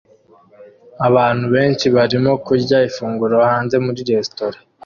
Abantu benshi barimo kurya ifunguro hanze muri resitora